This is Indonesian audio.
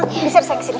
geser saya kesini